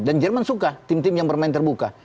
dan jerman suka tim tim yang bermain terbuka